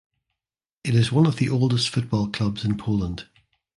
It is one of the oldest football clubs in Poland.